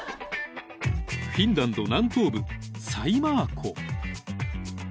［フィンランド南東部サイマー湖］